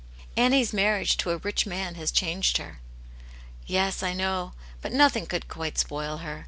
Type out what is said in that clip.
Annie's marriage to a rich man has changed her." '' Yes, I know, but nothing could quite spoil her.